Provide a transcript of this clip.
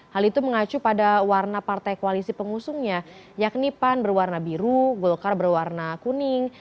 hal itu mengacu pada warna partai koalisi pengusungnya yakni pan berwarna biru golkar berwarna kuning